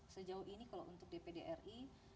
sejauh ini kalau untuk dpd ri